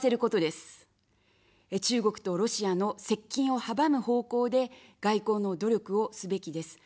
中国とロシアの接近を阻む方向で外交の努力をすべきです。